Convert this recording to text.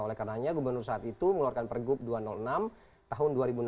oleh karenanya gubernur saat itu mengeluarkan pergub dua ratus enam tahun dua ribu enam belas